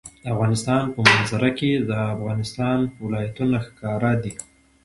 د افغانستان په منظره کې د افغانستان ولايتونه ښکاره ده.